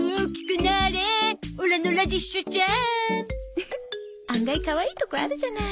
フフッ案外かわいいとこあるじゃない